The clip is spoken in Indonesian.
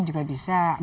itu juga bisa antar bank